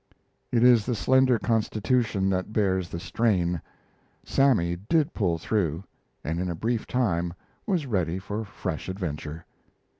It is the slender constitution that bears the strain. "Sammy" did pull through, and in a brief time was ready for fresh adventure.